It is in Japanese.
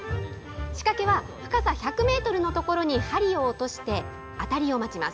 仕掛けは深さ１００メートルの所に針を落として、当たりを待ちます。